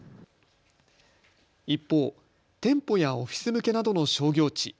一方、店舗やオフィス向けなどの商業地。